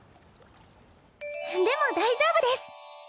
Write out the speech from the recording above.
でも大丈夫です！